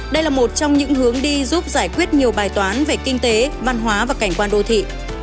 đây là một trong những hướng đi giúp giải quyết nhiều bài toán về kinh tế văn hóa và cảnh quan đô thị